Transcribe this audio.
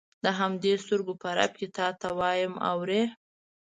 د همدې سترګو په رپ کې تا ته وایم اورې.